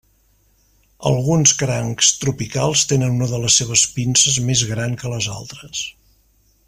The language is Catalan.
Alguns crancs tropicals tenen una de les seves pinces més gran que les altres.